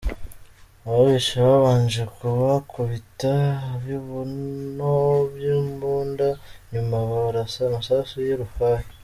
Ababishe babanje kubakubita ibibuno by’imbunda nyuma babarasa amasasu y’urufaya.